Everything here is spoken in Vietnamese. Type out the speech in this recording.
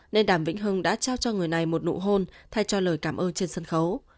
nên đàm vĩnh hưng đã trao cho người này một nụ hôn thay cho lời cảm ơn trên sân khấu